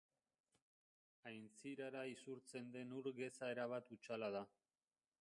Aintzirara isurtzen den ur geza erabat hutsala da.